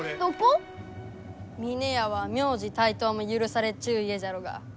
峰屋は名字帯刀も許されちゅう家じゃろうが。